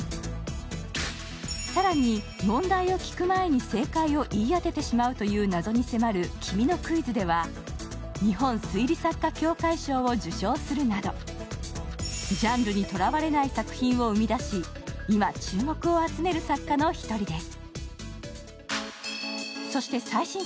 更に、問題を聞く前に正解を言い当ててしまうという謎に迫る、「君のクイズ」では日本推理作家協会賞を受賞するなど、ジャンルにとらわれない作品を生み出し今、注目を集める作家の１人です。